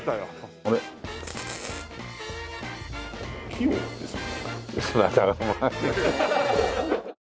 器用ですね。